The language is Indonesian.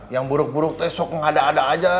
yang buruk buruk tuh sok ngada ada aja